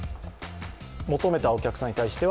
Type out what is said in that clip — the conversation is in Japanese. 求めたお客さんに対しては。